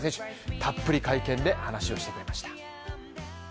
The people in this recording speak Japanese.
たっぷり会見で話をしてくれました。